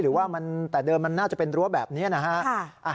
หรือว่าแต่เดิมมันน่าจะเป็นรั้วแบบนี้นะฮะ